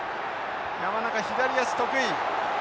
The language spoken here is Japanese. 山中左足得意。